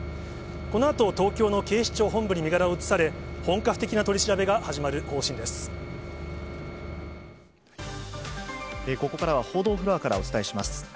このあと、東京の警視庁本部に身柄を移され、本格的な取り調べが始まる方針でここからは、報道フロアからお伝えします。